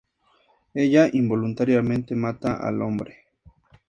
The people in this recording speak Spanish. Ella involuntariamente mata al hombre.